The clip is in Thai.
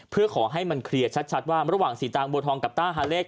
เพื่อขอให้มันเคลียร์ชัดว่าระหว่างสีตางบัวทองกับต้าฮาเล่